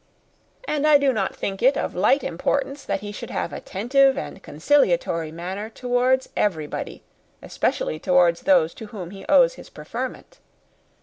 And I do not think it of light importance that he should have attentive and conciliatory manners towards everybody, especially towards those to whom he owes his preferment.